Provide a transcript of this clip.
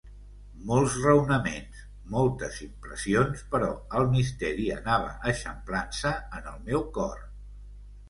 Molts raonaments, moltes impressions, però el misteri anava eixamplant-se en el meu cor.